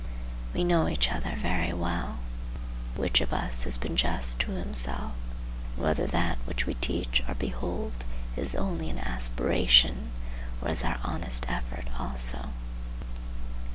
We know each other very well,—which of us has been just to himself and whether that which we teach or behold is only an aspiration or is our honest effort also.